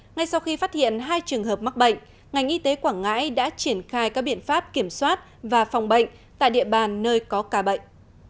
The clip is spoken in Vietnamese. ngay sau khi phát hiện hai trường hợp mắc bệnh ngành y tế quảng ngãi đã triển khai các biện pháp kiểm soát và phòng bệnh tại địa bàn nơi có ca bệnh